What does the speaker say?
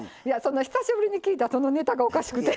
久しぶりに聞いたネタがおかしくて。